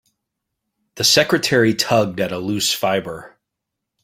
The secretary tugged at a loose fibre.